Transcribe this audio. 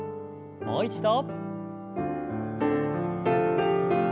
もう一度。